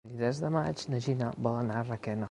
El vint-i-tres de maig na Gina vol anar a Requena.